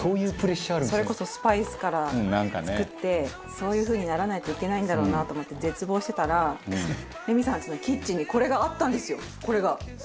それこそ、スパイスから作ってそういう風にならないといけないんだろうなと思って絶望してたらレミさんちのキッチンにこれがあったんですよ、これが。